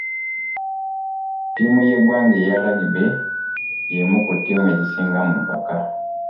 Ttiimu y'eggwanga eya lagibe y'emu ku ttiimu ezisinga mu mpaka.